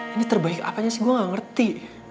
ini terbaik apanya sih gue gak ngerti